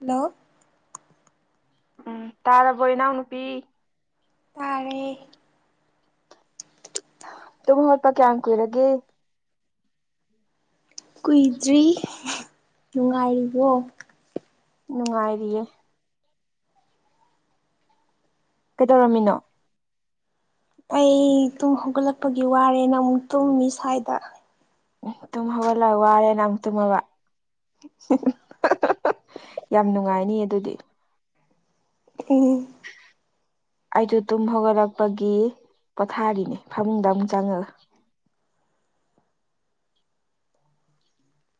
hello ꯎꯝ ꯇꯥꯔꯕꯣ ꯏꯅꯥꯎꯅꯨꯄꯤ ꯇꯥꯔꯦ ꯇꯨꯝ ꯍꯧꯒꯠꯄ ꯀꯌꯥꯝ ꯀꯨꯏꯔꯒꯦ ꯀꯨꯏꯗ꯭ꯔꯤ ꯅꯨꯡꯉꯥꯏꯔꯤꯕꯣ ꯅꯨꯡꯉꯥꯏꯔꯤꯌꯦ ꯀꯩꯗꯧꯔꯝꯃꯤꯅꯣ ꯑꯩ ꯇꯨꯝ ꯍꯧꯒꯠꯂꯛꯄꯒꯤ ꯋꯥꯔꯦꯅ ꯑꯃꯨꯛ ꯇꯨꯝꯃꯤ ꯁ꯭ꯋꯥꯏꯗ ꯇꯨꯝ ꯍꯧꯒꯠꯂ ꯋꯥꯔꯦꯅ ꯑꯃꯨꯛ ꯇꯨꯝꯃꯕ [inaudible] ꯌꯥꯝ ꯅꯨꯡꯉꯥꯏꯅꯤꯌꯦ ꯑꯗꯨꯗꯤ ꯎꯝ ꯑꯩꯁꯨ ꯇꯨꯝ ꯍꯧꯒꯠꯂꯛꯄꯒꯤ ꯄꯣꯊꯥꯔꯤꯅꯦ ꯐꯃꯨꯡꯗ ꯑꯃꯨꯛ ꯆꯪꯉꯒ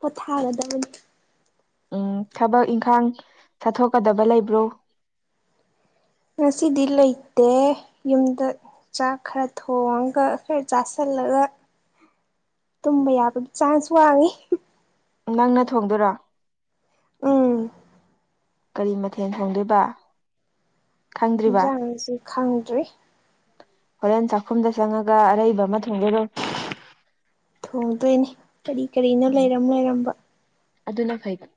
ꯄꯣꯊꯥꯒꯗꯕꯅꯤ ꯎꯝ ꯊꯕꯛ ꯏꯪꯈꯥꯡ ꯆꯠꯊꯣꯛꯀꯗꯕ ꯂꯩꯕ꯭ꯔꯣ ꯉꯁꯤꯗꯤ ꯂꯩꯇꯦ ꯌꯨꯝꯗ ꯆꯥꯛ ꯈꯔ ꯊꯣꯡꯉꯒ ꯈꯔ ꯆꯥꯁꯜꯂꯒ ꯇꯨꯝꯕ ꯌꯥꯕꯒꯤ ꯆꯥꯟꯁ ꯋꯥꯡꯉꯤ ꯅꯪꯅ ꯊꯣꯡꯗꯣꯏꯔꯣ ꯎꯝ ꯀꯔꯤ ꯃꯊꯦꯟ ꯊꯣꯡꯗꯣꯏꯕ ꯈꯪꯗ꯭ꯔꯤꯕ ꯍꯤꯟꯖꯥꯡꯁꯤ ꯈꯪꯗ꯭ꯔꯤ ꯍꯣꯔꯦꯟ ꯆꯥꯛꯈꯨꯝꯗ ꯆꯪꯉꯒ ꯑꯔꯩꯕ ꯑꯃ ꯊꯣꯡꯗꯣꯏꯔꯣ ꯊꯣꯡꯗꯣꯏꯅꯤ ꯀꯔꯤ ꯀꯔꯤꯅꯣ ꯎꯝ ꯂꯩꯔꯝ ꯂꯩꯔꯝꯕ ꯑꯗꯨꯅ ꯐꯩꯕ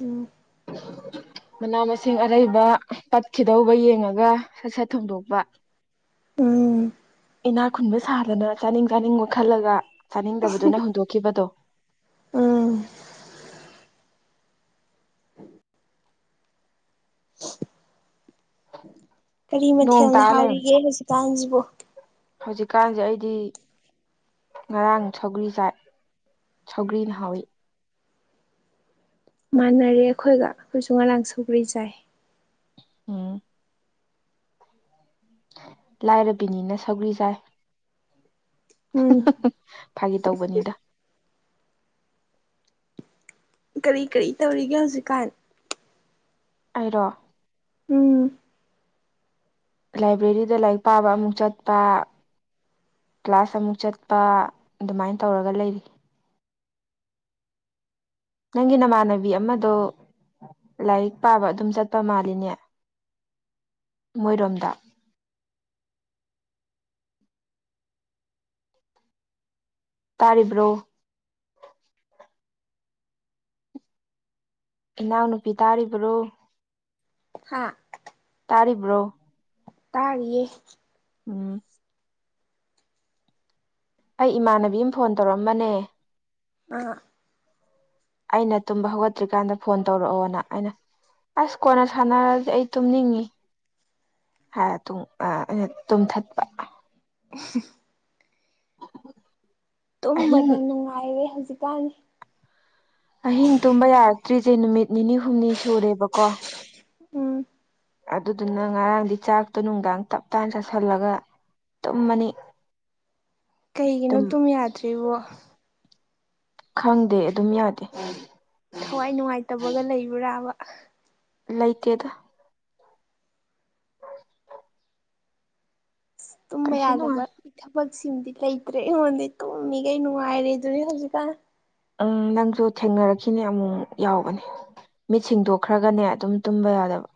ꯎꯝ [unintelligible] ꯃꯅꯥ -ꯃꯁꯤꯡ ꯑꯔꯩꯕ ꯄꯠꯈꯤꯗꯧꯕ ꯌꯦꯡꯉꯒ ꯁꯠ- ꯁꯠ ꯊꯣꯡꯗꯣꯛꯄ ꯎꯝ ꯅꯥꯛ ꯈꯨꯟꯕ ꯁꯥꯗꯅ ꯆꯥꯅꯤꯡ - ꯆꯥꯅꯤꯡꯕ ꯈꯜꯂꯒ ꯆꯥꯅꯤꯡꯗꯕꯗꯨꯅ ꯍꯨꯟꯗꯣꯛꯈꯤꯕꯗꯣ ꯎꯝ ꯀꯔꯤ ꯅꯣꯡ ꯃꯊꯦꯜꯅ ꯇꯥ ꯍꯥꯎꯔꯤꯒꯦ ꯍꯧꯖꯤꯛꯀꯥꯟꯖꯤꯕꯣ ꯍꯧꯖꯤꯛꯀꯥꯟꯖꯦ ꯑꯩꯗꯤ ꯉꯔꯥꯡ ꯁꯧꯒ꯭ꯔꯤ ꯆꯥꯏ ꯁꯧꯒ꯭ꯔꯤꯅ ꯍꯥꯎꯋꯤ ꯃꯥꯟꯅꯔꯦ ꯑꯩꯈꯣꯏꯒ ꯑꯩꯈꯣꯏꯁꯨ ꯉꯔꯥꯡ ꯁꯧꯒ꯭ꯔꯤ ꯆꯥꯏ ꯎꯝ ꯂꯥꯏꯔꯕꯤꯅꯤꯅ ꯁꯧꯒꯔꯤ ꯆꯥꯏ ꯎꯝ [unintelligible] ꯐꯥꯒꯤ ꯇꯧꯕꯅꯤꯗ ꯀꯔꯤ ꯀꯔꯤ ꯇꯧꯔꯤꯒꯦ ꯍꯧꯖꯤꯛꯀꯥꯟ ꯑꯩꯔꯣ ꯎꯝ ꯂꯥꯏꯕ꯭ꯔꯦꯔꯤꯗ ꯂꯥꯏꯔꯤꯛ ꯄꯥꯕ ꯑꯃꯨꯛ ꯆꯠꯄꯥ ꯀ꯭ꯂꯥꯁ ꯑꯃꯨꯛ ꯆꯠꯄ ꯑꯗꯨꯃꯥꯏ ꯇꯧꯔꯒ ꯂꯩꯔꯤ ꯅꯪꯒꯤ ꯅꯃꯥꯟꯅꯕꯤ ꯑꯃꯗꯣ ꯂꯥꯏꯔꯤꯛ ꯄꯥꯕ ꯑꯗꯨꯝ ꯆꯠꯄ ꯃꯥꯜꯂꯤꯅꯦ ꯃꯣꯏꯔꯣꯝꯗ ꯇꯥꯔꯤꯕ꯭ꯔꯣ ꯏꯅꯥꯎ ꯅꯨꯨꯄꯤ ꯇꯥꯔꯤꯕ꯭ꯔꯣ ꯍꯥ ꯇꯥꯔꯤꯕ꯭ꯔꯣ ꯇꯥꯔꯤꯌꯦ ꯎꯝ ꯑꯩ ꯏꯃꯥꯟꯅꯕꯤ ꯑꯃ ꯐꯣꯟ ꯇꯧꯔꯝꯕꯅꯦ ꯑꯥ ꯑꯩꯅ ꯇꯨꯝꯕ ꯍꯧꯒꯠꯇ꯭ꯔꯤꯀꯥꯟꯗ ꯐꯣꯟ ꯇꯧꯔꯛꯑꯣꯅ ꯑꯩꯅ ꯑꯁ ꯀꯣꯟꯅ ꯁꯥꯟꯅꯔꯖꯦ ꯑꯩ ꯇꯨꯝꯅꯤꯡꯉꯤ ꯍꯥꯏꯔ ꯇꯨꯝ ꯑꯥ ꯑꯩꯅ ꯇꯨꯝꯊꯠꯄ [unintelligible] ꯑꯍꯤꯡ ꯇꯨꯝꯕꯗ ꯅꯨꯡꯉꯥꯏꯔꯦ ꯍꯧꯖꯤꯛꯀꯥꯟ ꯑꯍꯤꯡ ꯇꯨꯝꯕ ꯌꯥꯔꯛꯇ꯭ꯔꯤꯖꯦ ꯅꯨꯃꯤꯠ ꯅꯤꯅꯤ ꯍꯨꯝꯅꯤ ꯁꯨꯔꯦꯕꯀꯣ ꯎꯝ ꯑꯗꯨꯗꯨꯅ ꯉꯔꯥꯡꯗꯤ ꯆꯥꯛꯇꯣ ꯅꯨꯡꯗꯥꯡ ꯇꯞꯇꯥꯥꯟ ꯆꯥꯁꯤꯜꯂꯒ ꯇꯨꯝꯕꯅꯤ ꯀꯩꯒꯤꯅꯣ ꯇꯨꯝ ꯌꯥꯗ꯭ꯔꯤꯕꯣ ꯈꯪꯗꯦ ꯑꯗꯨꯝ ꯌꯥꯗꯦ ꯊꯋꯥꯏ ꯅꯨꯡꯉꯥꯏꯇꯕꯒ ꯂꯩꯕ꯭ꯔꯥꯕ ꯂꯩꯇꯦꯗ [unintelligible] ꯑꯁ ꯇꯨꯝꯕ ꯀꯩꯁꯨ ꯌꯥꯗꯕ ꯅꯨꯡꯉꯥꯏ ꯊꯕꯛꯁꯤꯡꯕꯤ ꯂꯩꯇ꯭ꯔꯦ ꯑꯩꯉꯣꯟꯗꯩꯩ ꯇꯨꯝꯃꯤꯒꯩ ꯅꯨꯡꯉꯥꯏꯔꯦ ꯗꯨꯅꯤ ꯍꯧꯖꯤꯛꯀꯥꯟ ꯎꯝ ꯅꯪꯁꯨ ꯊꯦꯡꯅꯔꯛꯈꯤꯅꯦ ꯑꯃꯨꯛ ꯃꯨꯛ ꯌꯥꯎꯕꯅꯦ ꯃꯤꯠ ꯁꯤꯡꯗꯣꯛꯈ꯭ꯔꯒꯅꯦ ꯑꯗꯨꯝ ꯇꯨꯝꯕ ꯌꯥꯗꯕ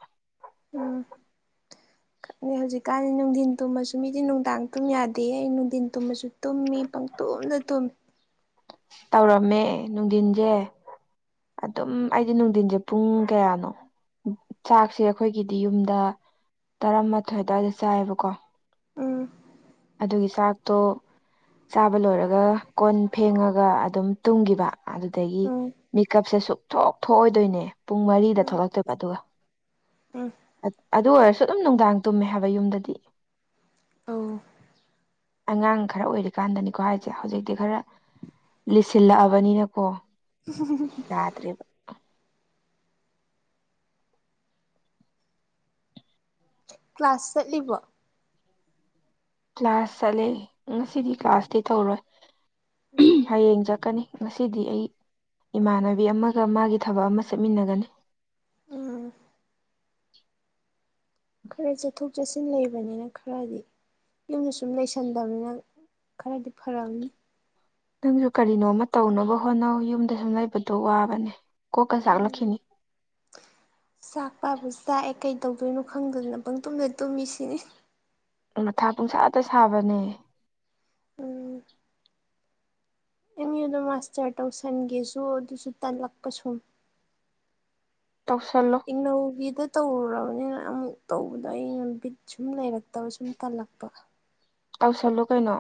ꯈꯛꯅꯦ ꯍꯧꯖꯤꯛꯀꯥꯟ ꯅꯨꯡꯙꯤꯟ ꯇꯨꯝꯃꯁꯨ ꯃꯤꯗꯤ ꯅꯨꯡꯗꯥꯡ ꯇꯨꯝ ꯌꯥꯗꯦ ꯑꯩ ꯅꯨꯡꯙꯤꯟ ꯇꯨꯝꯃꯁꯨ ꯇꯨꯝꯃꯤ ꯄꯪꯇꯨꯝꯗ ꯇꯨꯝꯃꯤ ꯇꯧꯔꯝꯃꯦ ꯅꯨꯡꯙꯤꯟꯖꯦ ꯑꯗꯨꯝ ꯑꯩꯗꯤ ꯅꯨꯡꯙꯤꯟꯖꯦ ꯄꯨꯡ ꯀꯌꯥꯅꯣ ꯆꯥꯛꯁꯦ ꯑꯩꯈꯣꯏꯒꯤꯗꯤ ꯌꯨꯝꯗ ꯇꯔꯥꯃꯥꯊꯣꯏ ꯑꯗ꯭ꯋꯥꯏꯗ ꯆꯥꯏꯌꯦꯕꯀꯣ ꯎꯝ ꯑꯗꯨꯒꯤ ꯆꯥꯛꯇꯣ ꯆꯥꯕ ꯂꯣꯏꯔꯒ ꯀꯣꯟ ꯐꯦꯡꯉꯒ ꯑꯗꯨꯝ ꯇꯨꯝꯈꯤꯕ ꯑꯗꯨꯗꯒꯤ ꯎꯝ ꯃꯦꯀꯞꯁꯦ ꯁꯨꯛꯊꯣꯛ ꯊꯣꯛꯑꯣꯏꯗꯣꯏꯅꯦ ꯄꯨꯡ ꯃꯔꯤꯗ ꯎꯝ ꯊꯣꯛꯂꯛꯇꯣꯏꯕ ꯑꯗꯨꯒ ꯎꯝ ꯑꯗꯨ ꯑꯣꯏꯔꯁꯨ ꯑꯗꯨꯝ ꯅꯨꯡꯗꯥꯡ ꯇꯨꯝꯃꯦ ꯍꯥꯏꯕ ꯌꯨꯝꯗꯗꯤ [unintelligible] ꯑꯉꯥꯡ ꯈꯔ ꯑꯣꯏꯔꯤꯀꯥꯟꯗꯅꯤꯀꯣ ꯍꯥꯏꯁꯦ ꯍꯧꯖꯤꯛꯇꯤ ꯈꯔ ꯂꯤꯁꯤꯜꯂꯛꯑꯕꯅꯤꯅꯀꯣ [inaudible] ꯇꯔꯤ ꯀ꯭ꯂꯥꯁ ꯆꯠꯂꯤꯕꯣ ꯀ꯭ꯂꯥꯁ ꯆꯠꯂꯦ ꯉꯁꯤꯗꯤ ꯀ꯭ꯂꯥꯁꯇꯤ ꯇꯧꯔꯣꯏ ꯎꯝ ꯍꯌꯦꯡ ꯆꯠꯀꯅꯤ ꯉꯁꯤꯗꯤ ꯑꯩ ꯏꯃꯥꯟꯅꯕꯤ ꯑꯃꯒ ꯃꯥꯒꯤ ꯊꯕꯛ ꯑꯃ ꯆꯦꯠꯃꯤꯟꯅꯒꯅꯤ ꯎꯝ ꯈꯔ ꯆꯠꯊꯣꯛ ꯆꯠꯁꯤꯟ ꯂꯩꯕꯅꯤꯅ ꯈꯔꯗꯤ ꯌꯨꯝꯗ ꯁꯨꯝ ꯂꯩꯁꯟꯗꯕꯅꯤꯅ ꯈꯔꯗꯤ ꯐꯔꯑꯅꯤ ꯅꯪꯁꯨ ꯀꯔꯤꯅꯣꯃ ꯇꯧꯅꯕ ꯍꯣꯠꯅꯧ ꯌꯨꯝꯗ ꯁꯨꯝ ꯂꯩꯕꯗꯣ ꯋꯥꯕꯅꯦ ꯀꯣꯛꯀ ꯆꯥꯛꯂꯛꯈꯤꯅꯤ [inaudible] ꯆꯥꯛ ꯄꯥꯕꯁꯨ ꯆꯥꯛꯑꯦ ꯀꯩ ꯇꯧꯗꯣꯏꯅꯣ ꯈꯪꯗꯗꯅ ꯄꯪ ꯇꯨꯝꯅ ꯇꯨꯝꯃꯤꯁꯤꯅꯤ ꯃꯊꯥ ꯄꯨꯡꯁꯥꯗ ꯁꯥꯕꯅꯦ ꯑꯦꯝ ꯌꯨꯗ ꯃꯥꯁꯇꯔ ꯇꯧꯁꯟꯒꯦꯁꯨ ꯑꯗꯨꯁꯨ ꯇꯜꯂꯛꯄ ꯁꯨꯝ ꯇꯧꯁꯂꯣ ꯏꯅꯧꯒꯤꯗ ꯇꯧꯔꯨꯔꯕꯅꯤꯅ ꯑꯃꯨꯛ ꯇꯧꯕꯗꯣ ꯑꯩꯅ ꯕꯤꯠ ꯁꯨꯝ ꯂꯩꯔꯛꯇꯕ ꯁꯨꯝ ꯇꯜꯂꯛꯄ ꯇꯧꯁꯜꯂꯣ ꯀꯩꯅꯣ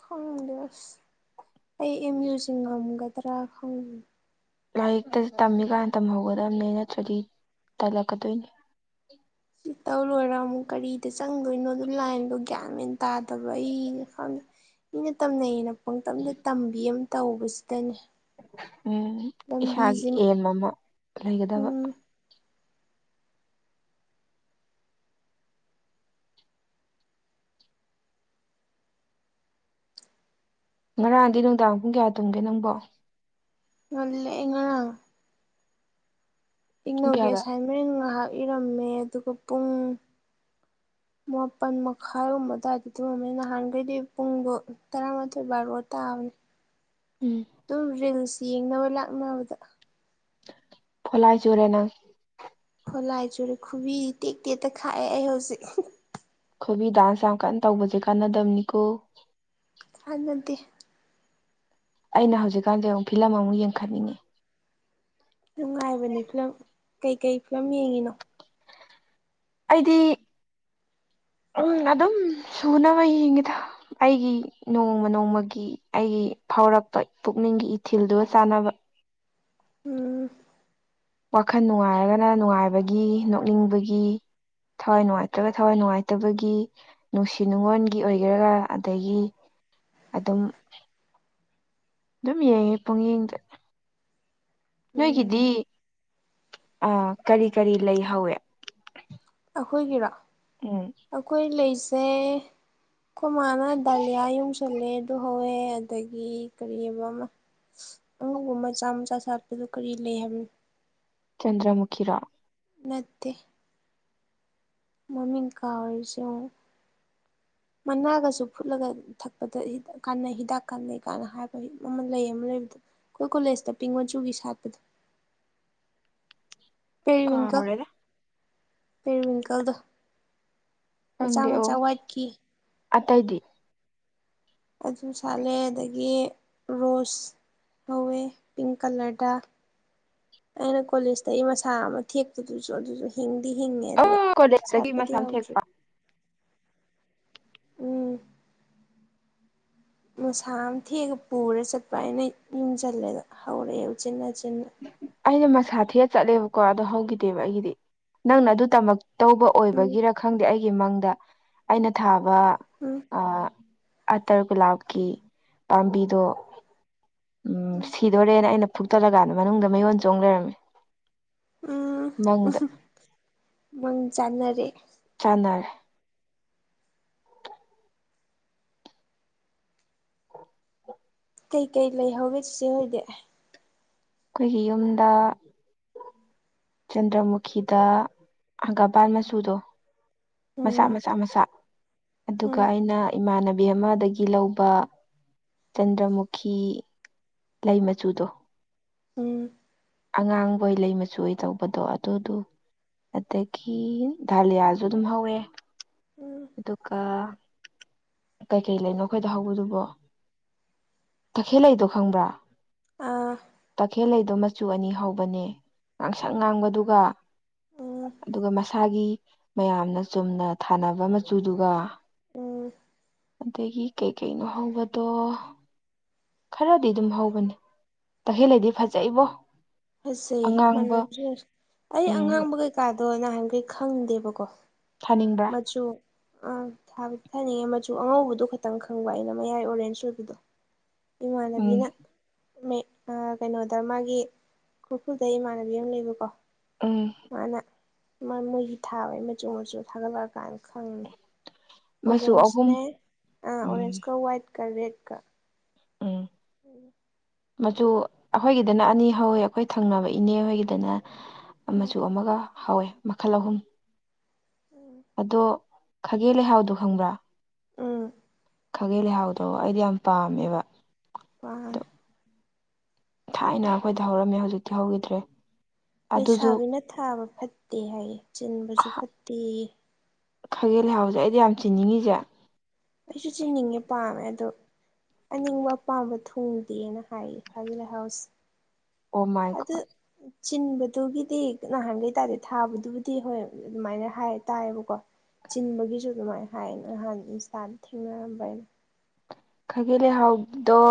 ꯈꯪꯗꯁ ꯑꯩ ꯑꯦꯝ ꯌꯌꯨꯖ ꯉꯝꯒꯗ꯭ꯔꯥ ꯈꯪ ꯂꯥꯏꯔꯤꯛꯇ ꯇꯝꯃꯤꯀꯥꯟ ꯇꯝꯍꯧꯒꯗꯕꯅꯦ ꯅꯠꯇ꯭ꯔꯗꯤ ꯇꯜꯂꯛꯀꯗꯣꯏꯅꯤ ꯁꯤ ꯇꯧꯔꯣꯏꯔꯥ ꯑꯃꯨꯛ ꯀꯔꯤꯗ ꯆꯪꯗꯣꯏꯅꯣꯗꯣ ꯂꯥꯏꯟꯗꯣ ꯒ꯭ꯌꯥꯃꯦꯟ ꯇꯥꯗꯕ ꯑꯩꯅ ꯈꯪꯗ ꯏꯅ ꯇꯝꯅꯩꯩꯅ ꯄꯪꯇꯝꯗ ꯇꯝꯕꯤ ꯑꯃ ꯇꯧꯕꯁꯤꯗꯅꯦ ꯎꯝ ꯏꯁꯥꯒꯤ ꯂꯝꯕꯤꯁꯦ ꯑꯦꯟ ꯑꯃ ꯂꯩꯒꯗꯕ ꯎꯝ ꯉꯔꯥꯡꯗꯤ ꯅꯨꯡꯗꯥꯡ ꯄꯨꯡ ꯀꯌꯥ ꯇꯨꯝꯒꯦ ꯅꯪꯕꯣ ꯂꯏꯉꯥꯡ ꯄꯨꯡ ꯏꯪꯅꯧꯒꯤ ꯀꯌꯥꯗ ꯑꯦꯁꯥꯏꯟꯃꯦꯟ ꯉꯥꯏꯍꯥꯛ ꯏꯔꯝꯃꯦ ꯑꯗꯨꯒ ꯄꯨꯡ [inaudible] ꯃꯥꯄꯜ ꯃꯈꯥꯏꯒꯨꯝꯕ ꯑꯗꯨꯋꯥꯏꯗ ꯇꯨꯝꯉꯝꯃꯦ ꯅꯍꯥꯟꯈꯩꯗꯤ ꯄꯨꯡꯗꯣ ꯇꯔꯥꯃꯥꯊꯣꯏ ꯕꯥꯔꯣ ꯇꯥꯕꯅꯤ ꯎꯝ ꯑꯗꯨꯝ ꯔꯤꯜꯁ ꯌꯦꯡꯅꯕ ꯂꯥꯛꯅꯕꯗ ꯐꯣꯂꯥꯏꯁꯨꯣꯔꯦ ꯅꯪ ꯈꯣꯠꯂꯥꯏ ꯆꯨꯔꯦ ꯈꯨꯕꯤ ꯇꯦꯛ ꯇꯦꯛꯇ ꯈꯥꯛꯑꯦ ꯑꯩ ꯍꯧꯖꯤꯛ ꯑꯩꯣꯏꯕꯤ ꯗꯥꯟꯁ ꯌꯥꯝ ꯀꯟꯅ ꯇꯧꯕꯁꯦ ꯀꯥꯟꯅꯗꯕꯅꯤꯀꯣ ꯐꯅꯠꯇꯦ ꯑꯩꯅ ꯍꯧꯖꯤꯛꯀꯥꯟꯁ ꯑꯃꯨꯛ ꯐꯤꯂꯝ ꯑꯃꯨꯛ ꯌꯦꯡꯈꯠꯅꯤꯡꯉꯤ ꯅꯨꯡꯉꯥꯏꯕꯅꯤ ꯐꯤꯂꯝ ꯀꯩꯀꯩ ꯐꯤꯂꯝ ꯌꯦꯡꯉꯤꯅꯣ ꯑꯩꯗꯤ ꯎꯝ ꯑꯗꯨꯝ ꯁꯨꯅꯕ ꯌꯦꯡꯉꯤꯗ ꯑꯩꯒꯤ ꯅꯣꯡꯃ ꯅꯣꯡꯃꯒꯤ ꯑꯩꯒꯤ ꯐꯥꯎꯔꯛꯄ ꯄꯨꯛꯅꯤꯡꯒꯤ ꯏꯊꯤꯜꯗꯨꯒ ꯆꯥꯟꯅꯕ ꯎꯝ ꯋꯥꯈꯜ ꯅꯨꯡꯉꯥꯏꯔꯒꯅ ꯅꯨꯡꯉꯥꯏꯕꯒꯤ ꯅꯣꯛꯅꯤꯡꯕꯒꯤ ꯊꯋꯥꯏ ꯅꯨꯡꯉꯥꯏꯇ꯭ꯔꯒ ꯊꯋꯥꯏ ꯅꯨꯡꯉꯥꯏꯇꯕꯒꯤ ꯅꯨꯡꯁꯤ ꯅꯨꯡꯉꯣꯟꯒꯤ ꯑꯣꯏꯒꯦꯔꯒ ꯑꯗꯒꯤ ꯑꯗꯨꯝ ꯑꯗꯨꯝ ꯌꯦꯡꯉꯦ ꯄꯛꯌꯦꯡꯗ ꯎꯝ ꯅꯣꯏꯒꯤꯗꯤ ꯑ ꯀꯔꯤ ꯀꯔꯤ ꯂꯩꯍꯧꯋꯦ ꯑꯈꯣꯏꯒꯤꯔꯥ ꯎꯝ ꯑꯩꯈꯣꯏ ꯂꯩꯁꯦ ꯑꯩꯈꯣꯏ ꯃꯥꯅ ꯗꯥꯂꯤꯌꯥ ꯌꯨꯡꯁ ꯁꯜꯂꯦ ꯑꯗꯨ ꯍꯧꯋꯦ ꯑꯗꯒꯤ ꯀꯔꯤ ꯑꯃ ꯑꯃ ꯑꯉꯧꯕ ꯃꯆꯥ ꯃꯆꯥ ꯁꯥꯠꯄꯗꯨ ꯀꯔꯤ ꯂꯩ ꯍꯥꯏꯕꯅꯤ ꯆꯟꯗ꯭ꯔꯃꯨꯈꯤꯔꯣ ꯅꯠꯇꯦ ꯃꯃꯤꯡ ꯀꯥꯎꯔꯤꯁꯦ ꯌꯦꯡꯉꯣ ꯃꯅꯥꯒꯁꯨ ꯐꯨꯠꯂꯒ ꯊꯛꯄꯗ ꯀꯥꯟꯅꯩ ꯍꯤꯗꯥꯛ ꯀꯥꯟꯅꯩ ꯀꯥꯏꯅ ꯍꯥꯏꯕ ꯑꯃ ꯂꯩ ꯑꯃ ꯂꯩꯕꯗ ꯈꯣꯏ ꯀꯣꯂꯦꯖꯇ ꯄꯤꯡ ꯃꯆꯨꯒꯤ ꯁꯥꯠꯄꯗꯨ ꯄꯦꯔꯤꯋꯤꯡꯀꯜ ꯀꯥꯎꯔꯦꯗ ꯄꯦꯔꯤꯋꯤꯡꯀꯜꯗꯣ ꯃꯆꯥ ꯈꯪꯗꯦ ꯑꯣ ꯃꯆꯥ ꯋꯥꯏꯠꯀꯤ ꯑꯇꯩꯗꯤ ꯑꯗꯨ ꯁꯥꯠꯂꯦ ꯑꯗꯒꯤ ꯔꯣꯁ ꯍꯧꯋꯦ ꯄꯤꯡ ꯀꯂꯔꯗ ꯑꯩꯅ ꯀꯣꯂꯦꯖꯇꯩ ꯃꯁꯥ ꯑꯃ ꯊꯦꯛꯄꯗꯨꯁꯨ ꯑꯗꯨꯁꯨ ꯍꯤꯡꯗꯤ ꯍꯤꯡꯉꯦ ꯑꯗꯨꯒ ꯑꯣ ꯀꯣꯂꯦꯖꯇꯒꯤ ꯁꯥꯠꯄꯗꯤ ꯃꯁꯥꯝ ꯌꯥꯎꯗ꯭ꯔꯤ ꯊꯦꯛꯄ ꯎꯝ ꯃꯁꯥ ꯑꯃ ꯊꯦꯛꯑ ꯄꯨꯔ ꯆꯠꯄ ꯑꯩꯅꯥ ꯌꯨꯝꯖꯜꯂꯦꯗ ꯍꯧꯔꯛꯑꯦ ꯎꯆꯤꯟꯅꯆꯤꯟꯅ ꯑꯩꯅ ꯃꯁꯥ ꯊꯤꯛꯑ ꯆꯠꯂꯦꯕꯀꯣ ꯑꯗꯣ ꯍꯧꯒꯤꯗꯦꯕ ꯑꯩꯒꯤꯗꯤ ꯅꯪꯅ ꯑꯗꯨ ꯇꯃꯛ ꯇꯧꯕ ꯎꯝ ꯑꯣꯏꯕꯒꯤꯔ ꯈꯪꯗꯦ ꯑꯩꯒꯤ ꯃꯪꯗ ꯑꯩꯅ ꯊꯥꯕ ꯎꯝ ꯑꯇꯔ ꯒꯨꯂꯥꯞꯀꯤ ꯄꯥꯝꯕꯤꯗꯣ ꯎꯝ ꯁꯤꯗꯣꯔꯦꯅ ꯑꯩꯅ ꯐꯨꯛꯇꯠꯂꯀꯥꯟꯗ ꯃꯅꯨꯡꯗ ꯃꯌꯣꯟ ꯆꯣꯡ ꯂꯩꯔꯝꯃꯦ ꯎꯝ ꯃꯪꯗ ꯃꯪ ꯆꯥꯟꯅꯔꯦ ꯆꯅꯔꯦ ꯀꯩꯀꯩ ꯂꯩ ꯍꯧꯒꯦ ꯆꯤꯆꯦ ꯍꯣꯏꯗꯤ ꯈꯣꯏꯒꯤ ꯌꯨꯝꯗ ꯆꯟꯗ꯭ꯔꯃꯨꯈꯤꯗ ꯍꯪꯒꯥꯄꯥꯟ ꯃꯆꯨꯗꯣ ꯃꯆꯥ ꯎꯝ ꯃꯆꯥ ꯃꯆꯥ ꯑꯗꯨꯒ ꯎꯝ ꯑꯩꯅ ꯏꯃꯥꯟꯅꯕꯤ ꯑꯃꯗꯒꯤ ꯂꯧꯕ ꯆꯟꯗ꯭ꯔꯃꯨꯈꯤ ꯂꯩ ꯃꯆꯨꯗꯣ ꯎꯝ ꯑꯉꯥꯡꯕꯣꯏ ꯂꯩ ꯃꯆꯨ ꯑꯣꯏ ꯇꯧꯕꯗꯣ ꯑꯗꯨꯗꯨ ꯑꯗꯒꯤ ꯙꯥꯂꯤꯌꯥꯁꯨ ꯑꯗꯨꯝ ꯍꯧꯋꯦ ꯎꯝ ꯑꯗꯨꯒ ꯀꯩꯀꯩ ꯂꯩꯅꯣ ꯑꯩꯈꯣꯏꯗ ꯍꯧꯕꯗꯨꯕꯣ ꯇꯈꯦꯜ ꯂꯩꯗꯣ ꯈꯪꯕ꯭ꯔꯥ ꯑꯥ ꯇꯈꯦꯜ ꯂꯩꯗꯣ ꯃꯆꯨ ꯑꯅꯤ ꯍꯧꯕꯅꯦ ꯉꯥꯡꯁꯪ ꯉꯥꯡꯕꯗꯨꯒ ꯎꯝ ꯑꯗꯨꯒ ꯃꯁꯥꯒꯤ ꯃꯌꯥꯝꯅ ꯆꯨꯝꯅ ꯊꯥꯅꯕ ꯃꯆꯨꯗꯨꯒ ꯎꯝ ꯑꯗꯒꯤ ꯀꯩ ꯀꯩꯅꯣ ꯍꯧꯕꯗꯣ ꯈꯔꯗꯤ ꯑꯗꯨꯝ ꯍꯧꯕꯅꯦ ꯇꯈꯦꯜꯂꯩꯗꯤ ꯐꯖꯩꯕꯣ ꯐꯖꯩ ꯑꯉꯥꯡꯕ ꯃꯅꯗ꯭ꯔꯦ ꯑꯩ ꯎꯝ ꯑꯉꯥꯡꯕ ꯀꯩꯀꯥꯗꯣ ꯅꯍꯥꯟꯒꯩ ꯈꯪꯗꯦꯕꯀꯣ ꯊꯥꯅꯤꯡ ꯁꯨ ꯑꯥ ꯊꯥꯕꯗꯤ ꯊꯥꯅꯤꯡꯉꯦ ꯃꯆꯨ ꯑꯉꯧꯕꯗꯣ ꯈꯇꯪ ꯈꯪꯕ ꯑꯩꯅ ꯃꯌꯥꯏ ꯑꯣꯔꯦꯟꯖ ꯑꯣꯏꯕꯗꯣ ꯎꯝ ꯏꯃꯥꯟꯅꯕꯤꯅ ꯀꯩꯅꯣꯗ ꯃꯥꯒꯤ ꯈꯨꯔꯈꯨꯜꯗ ꯏꯃꯥꯟꯅꯕꯤ ꯑꯃ ꯂꯩꯕꯀꯣ ꯎꯝ ꯃꯥꯅ ꯃꯥ ꯃꯣꯏꯒꯤ ꯊꯥꯕꯩ ꯃꯆꯨ ꯃꯆꯨ ꯊꯥꯒꯠꯂꯛꯑꯀꯥꯟ ꯈꯪꯉꯤ ꯃꯆꯨ ꯑꯍꯨꯝ ꯑꯣꯔꯦꯟꯖꯅꯦ ꯑꯥ ꯎꯝ ꯑꯣꯔꯦꯟꯖꯀ ꯋꯥꯏꯠ ꯀ ꯔꯦꯠ ꯀ ꯎꯝ ꯎꯝ ꯃꯆꯨ ꯑꯩꯈꯣꯏꯒꯤꯗꯅ ꯑꯅꯤ ꯍꯧꯋꯦ ꯑꯩꯈꯣꯏ ꯊꯪꯅꯕ ꯏꯅꯦ ꯈꯣꯏꯒꯤꯗꯅ ꯑ ꯃꯆꯨ ꯑꯃꯒ ꯍꯥꯎꯋꯦ ꯃꯈꯜ ꯑꯍꯨꯝ ꯑꯗꯣ ꯈꯥꯒꯦ ꯂꯩꯍꯥꯎꯗꯣ ꯈꯪꯕ꯭ꯔꯥ ꯎꯝ ꯈꯥꯒꯦ ꯂꯩꯍꯥꯎꯗꯣ ꯑꯩꯗꯤ ꯌꯥꯝ ꯄꯥꯝꯃꯦꯕ ꯑꯗꯣ ꯃꯥꯟꯅꯦ ꯊꯥꯏꯅ ꯑꯩꯈꯣꯏꯗ ꯍꯧꯔꯝꯃꯦ ꯍꯧꯖꯤꯛꯇꯤ ꯍꯧꯈꯤꯗ꯭ꯔꯦ ꯑꯗꯨꯁꯨ ꯂꯩꯁꯥꯕꯤꯅ ꯊꯥꯕ ꯐꯠꯇꯦ ꯍꯥꯏꯌꯦ ꯆꯤꯟꯕꯁꯨ ꯐꯠꯇꯦꯌꯦ ꯈꯥꯒꯦ ꯂꯩꯍꯥꯎꯖꯦ ꯑꯩꯗꯤ ꯌꯥꯝ ꯆꯤꯅꯤꯡꯉꯤꯖꯦ ꯑꯩꯁꯨ ꯆꯤꯟꯅꯤꯡꯉꯦ ꯄꯥꯝꯃꯦ ꯑꯗꯨ ꯑꯅꯤꯡꯕ ꯑꯄꯥꯝꯕ ꯊꯨꯡꯗꯦꯅ ꯍꯥꯏꯌꯦ ꯈꯥꯒꯤ ꯂꯩꯥꯍꯥꯎꯁꯤ ꯑꯣ ꯃꯥꯏ ꯑꯗꯨ ꯒꯣꯠ ꯆꯤꯟꯕꯗꯨꯒꯤꯗꯤ ꯅꯍꯥꯟꯒꯩ ꯇꯥꯥꯗꯦ ꯊꯥꯕꯗꯨꯕꯨꯗꯤ ꯍꯣꯏ ꯑꯗꯨꯃꯥꯏꯅ ꯍꯥꯏ ꯇꯥꯏꯌꯦꯕꯀꯣ ꯆꯤꯟꯕꯒꯤꯁꯨ ꯑꯗꯨꯃꯥꯏꯅ ꯍꯥꯏꯌꯦꯅ ꯅꯍꯥꯟ ꯏꯟꯁꯇꯥꯗ ꯊꯦꯡꯅꯔꯝꯕ ꯑꯩꯅ ꯈꯥꯒꯦ ꯂꯩꯍꯥꯎꯗꯣ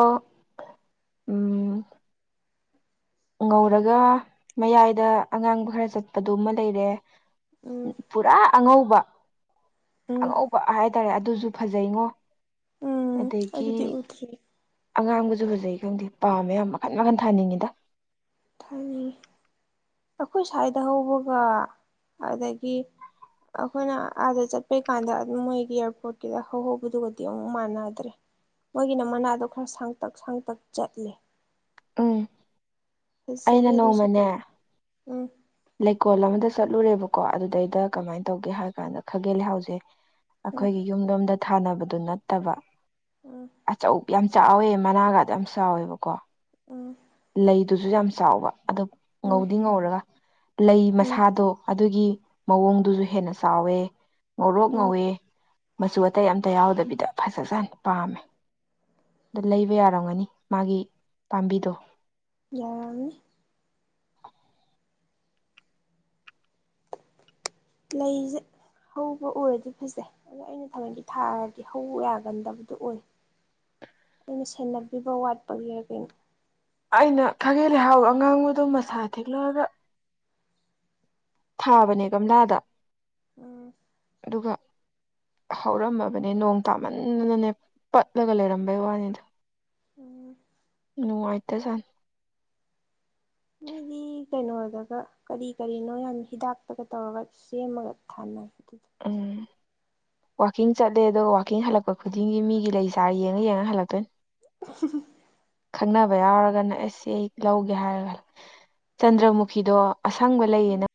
ꯎꯝ ꯉꯧꯔꯒ ꯃꯌꯥꯏꯗ ꯑꯉꯥꯡꯕ ꯈꯔ ꯆꯠꯄꯗꯨꯃ ꯂꯩꯔꯦ ꯎꯝ ꯄꯨꯔꯥ ꯑꯉꯧꯕ ꯎꯝ ꯑꯉꯧꯕ ꯍꯥꯏꯇꯥꯔꯦ ꯑꯗꯨꯁꯨ ꯐꯖꯩꯉꯣ ꯎꯝ ꯑꯗꯒꯤ ꯑꯗꯨꯗꯤ ꯎꯗ꯭ꯔꯤ ꯑꯉꯥꯡꯕꯁꯨ ꯐꯖꯩ ꯈꯪꯗꯦ ꯄꯥꯝꯃꯦ ꯌꯥꯝ ꯃꯈꯟ ꯃꯈꯟ ꯊꯥꯅꯤꯡꯉꯤꯗ ꯊꯥꯅꯤꯡꯉꯤ ꯑꯩꯈꯣꯏ ꯁ꯭ꯋꯥꯏꯗ ꯍꯧꯕꯒ ꯑꯗꯒꯤ ꯑꯈꯣꯏꯅ ꯑꯥꯗ ꯆꯠꯄꯩ ꯀꯥꯟꯗ ꯑꯗꯨꯝ ꯃꯣꯏꯒꯤ ꯑꯦꯌꯥꯔꯄꯣꯔꯠꯀꯤꯗ ꯍꯍꯧꯕꯗꯨꯒꯗꯤ ꯑꯃꯨꯛ ꯃꯥꯟꯅꯗ꯭ꯔꯦ ꯃꯣꯏꯒꯤꯅ ꯃꯅꯥꯗꯣ ꯈꯔ ꯁꯥꯡꯇꯛ ꯁꯥꯡꯇꯛ ꯆꯠꯂꯦ ꯎꯝ ꯐꯖꯩ ꯑꯩꯅ ꯑꯗꯨꯁꯨ ꯅꯣꯡꯃꯅꯦ ꯎꯝ ꯂꯩꯀꯣꯜ ꯑꯃꯗ ꯆꯠꯂꯨꯔꯦꯕꯀꯣ ꯑꯗꯨꯗꯩꯗ ꯀꯃꯥꯏ ꯇꯧꯒꯦ ꯍꯥꯏ ꯀꯥꯟꯗ ꯈꯥꯒꯦꯜ ꯂꯩꯍꯥꯎꯁꯦ ꯎꯝ ꯑꯈꯣꯏꯒꯤ ꯌꯨꯝꯂꯣꯝꯗ ꯊꯥꯅꯕꯗꯨ ꯅꯠꯇꯕ ꯎꯝ ꯑꯆꯧ ꯌꯥꯝ ꯆꯥꯎꯋꯦ ꯃꯅꯥꯒꯗꯣ ꯌꯥꯝ ꯆꯥꯎꯋꯦꯕꯀꯣ ꯑꯥ ꯂꯩꯗꯨꯖꯨ ꯌꯥꯝ ꯆꯥꯎꯕ ꯑꯗꯨ ꯎꯝ ꯉꯧꯗꯤ ꯉꯧꯔꯒ ꯂꯩ ꯎꯝ ꯃꯁꯥꯗꯣ ꯑꯗꯨꯒꯤ ꯃꯑꯣꯡꯗꯨꯖꯨ ꯍꯦꯟꯅ ꯆꯥꯎꯋꯦ ꯉꯧꯔꯣꯛ ꯎꯝ ꯉꯧꯋꯦ ꯃꯆꯨ ꯑꯇꯩ ꯑꯝꯇ ꯌꯥꯎꯗꯕꯤꯗ ꯐꯖꯖꯥꯠꯅꯤ ꯄꯥꯝꯃꯦ ꯑꯗꯣ ꯂꯩꯕ ꯌꯥꯔꯝꯒꯅꯤ ꯃꯥꯒꯤ ꯄꯥꯝꯕꯤꯗꯣ ꯌꯥꯔꯝꯅꯤ ꯂꯩꯖꯦ ꯍꯧꯕ ꯎꯔꯗꯤ ꯐꯖꯩ ꯑꯗꯣ ꯑꯩꯅ ꯊꯑꯣꯏꯀꯤ ꯊꯥꯔꯗꯤ ꯍꯧ ꯌꯥꯒꯟꯗꯕꯗꯣ ꯑꯣꯏ ꯑꯩꯅ ꯁꯦꯟꯅꯕꯤꯕ ꯋꯥꯠꯄꯒꯤꯔ ꯀꯩꯅꯣ ꯑꯩꯅ ꯈꯥꯒꯦꯜ ꯂꯩꯍꯥꯎ ꯑꯉꯥꯡꯕꯗꯣ ꯃꯁꯥ ꯊꯦꯛꯂꯛꯑꯒ ꯊꯥꯕꯅꯦ ꯒꯝꯂꯥꯗ ꯎꯝ ꯑꯗꯨꯒ ꯍꯧꯔꯝꯃꯕꯅꯦ ꯅꯣꯡ ꯇꯥꯃꯟꯅꯅꯅꯦ ꯄꯠꯂꯒ ꯂꯩꯔꯝꯕꯩ ꯋꯥꯅꯤꯗ ꯎꯝ ꯅꯨꯡꯉꯥꯏꯇ ꯖꯥꯟ ꯃꯤꯗꯤ ꯀꯩꯅꯣꯗꯒ ꯀꯔꯤ ꯀꯔꯤꯅꯣ ꯌꯥꯝ ꯍꯤꯗꯥꯛꯇꯒ ꯇꯧꯔꯒ ꯁꯦꯝꯃꯒ ꯊꯥꯅꯩ ꯗꯨꯗ ꯎꯝ ꯋꯥꯀꯤꯡ ꯆꯠꯂꯦ ꯑꯗꯣ ꯋꯥꯀꯤꯡ ꯍꯜꯂꯛꯄ ꯈꯨꯗꯤꯡꯒꯤ ꯃꯤꯒꯤ ꯂꯩ ꯆꯔ ꯌꯦꯡꯉ ꯌꯦꯡꯉ ꯍꯜꯂꯛꯇꯣꯏꯅꯤ [unintelligible] ꯈꯪꯅꯕ ꯌꯥꯎꯔꯒꯅ ꯑꯦꯁ ꯁꯤ ꯑꯩ ꯂꯧꯒꯦ ꯍꯥꯏꯔꯒ ꯆꯟꯗ꯭ꯔꯃꯨꯈꯤꯗꯣ ꯑꯁꯪꯕ ꯎꯝ ꯂꯩꯌꯦꯅ